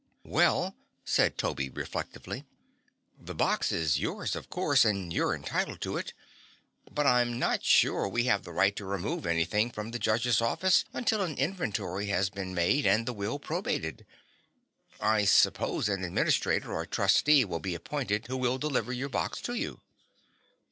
"Well," said Toby reflectively, "the box is yours, of course, and you're entitled to it. But I'm not sure we have the right to remove anything from the judge's office until an inventory has been made and the will probated. I suppose an administrator or trustee will be appointed who will deliver your box to you."